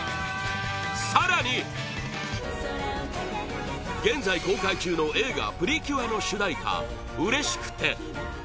更に、現在公開中の「映画プリキュア」の主題歌「うれしくて」